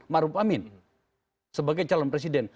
maruf amin sebagai calon presiden